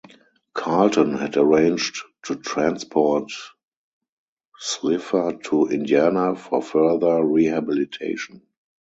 Carlton had arranged to transport Slifer to Indiana for further rehabilitation.